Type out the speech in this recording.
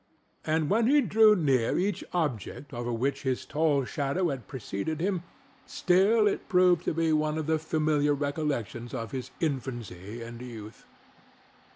And when he drew near each object over which his tall shadow had preceded him, still it proved to be one of the familiar recollections of his infancy and youth.